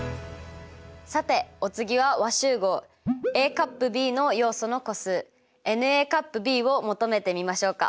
さてお次は和集合Ａ∪Ｂの要素の個数ｎを求めてみましょうか。